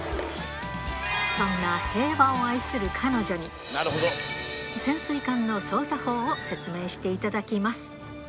そんな平和を愛する彼女に、潜水艦の操作法を説明していただきます。